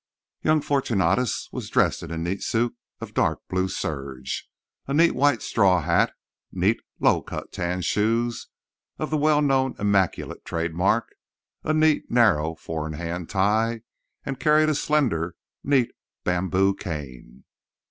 Young Fortunatus was dressed in a neat suit of dark blue serge, a neat, white straw hat, neat low cut tan shoes, of the well known "immaculate" trade mark, a neat, narrow four in hand tie, and carried a slender, neat, bamboo cane.